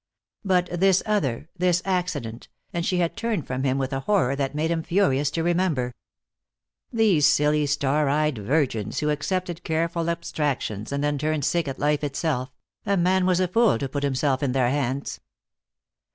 But this other, this accident, and she had turned from him with a horror that made him furious to remember. These silly star eyed virgins, who accepted careful abstractions and then turned sick at life itself, a man was a fool to put himself in their hands.